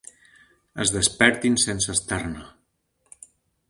Es despertin sense estar-ne.